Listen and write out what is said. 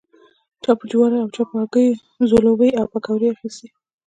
چا په جوارو او چا په هګیو ځلوبۍ او پیکوړې اخيستې.